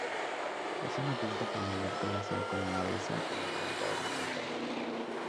Es una planta familiar conocida como maleza o como planta ornamental.